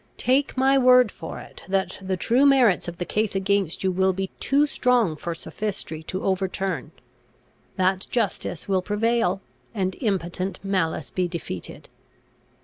Take my word for it, that the true merits of the case against you will be too strong for sophistry to overturn; that justice will prevail, and impotent malice be defeated.